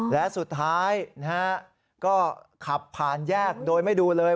และสุดท้ายนะฮะก็ขับผ่านแยกโดยไม่ดูเลย